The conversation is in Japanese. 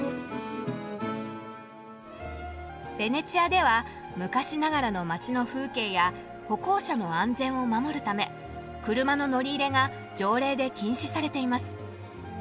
ベネチアでは昔ながらの街の風景や歩行者の安全を守るため車の乗り入れが条例で禁止されています。